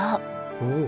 おお。